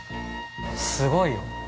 ◆すごいよ。